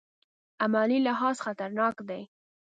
عملي لحاظ خطرناک دی.